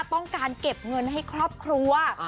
ต้องการเก็บเงินให้ครอบครัว